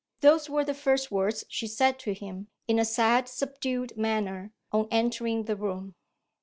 Those were the first words she said to him, in a sad subdued manner, on entering the room.